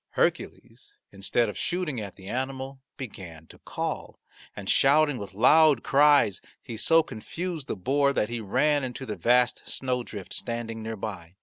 Hercules, instead of shooting at the animal, began to call, and shouting with loud cries he so confused the boar that he ran into the vast snowdrift standing near by.